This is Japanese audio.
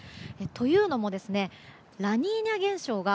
というのも、ラニーニャ現象が